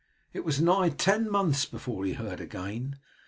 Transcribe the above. It was nigh ten months before he heard again.